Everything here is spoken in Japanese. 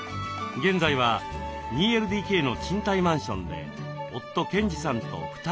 現在は２ＬＤＫの賃貸マンションで夫・賢治さんと２人暮らし。